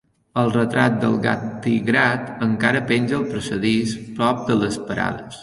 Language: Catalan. El retrat del gat tigrat encara penja al passadís prop de les parades.